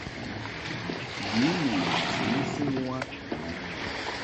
Ye nu ntɨ u suŋ u a.